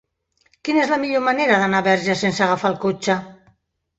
Quina és la millor manera d'anar a Verges sense agafar el cotxe?